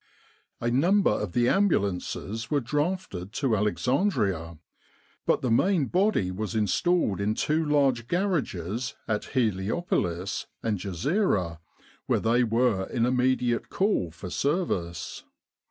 A number of the ambulances were drafted to Alexandria, but the main body was installed in two large garages at Heliopolis and Ghezira, where they were in immediate call for service.